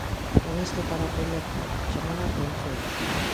Con este aparato eléctrico que chamaba a atención.